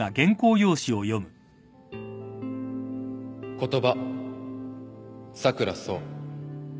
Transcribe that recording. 『言葉』佐倉想。